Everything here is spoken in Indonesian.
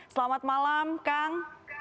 selamat malam kang